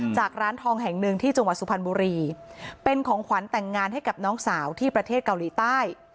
ร้านทองแห่งหนึ่งที่จังหวัดสุพรรณบุรีเป็นของขวัญแต่งงานให้กับน้องสาวที่ประเทศเกาหลีใต้